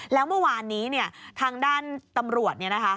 แล้วเมื่อวานนี้ทางด้านตำรวจ